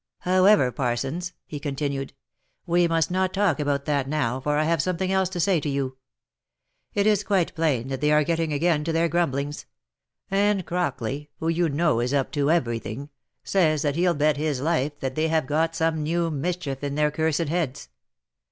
" However, Parsons," he continued, " we must not talk about that now, for I have something else to say to you. It is quite plain that they are getting again to their grumblings; and Crockley, who you know is up to every thing, says that he'll bet his life they have got some new mischief into their cursed heads.